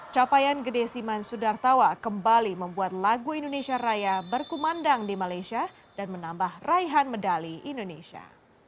capaian gede siman sudartawa kembali membuat lagu indonesia raya berkumandang di malaysia dan menambah raihan medali indonesia